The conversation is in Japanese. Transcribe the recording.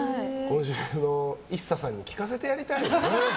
ＩＳＳＡさんに聞かせてやりたいな。